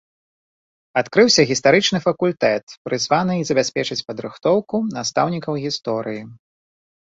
Адкрыўся гістарычны факультэт, прызваны забяспечыць падрыхтоўку настаўнікаў гісторыі.